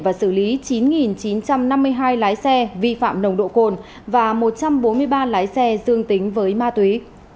và xử lý chín chín trăm năm mươi hai lái xe vi phạm nồng độ cồn và một trăm bốn mươi ba lái xe dương tính với ma túy